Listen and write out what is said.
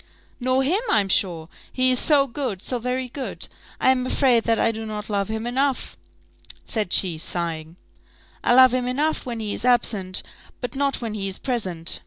"Nor him, I'm sure he is so good, so very good! I am afraid that I do not love him enough," said she, sighing. "I love him enough when he is absent, but not when he is present.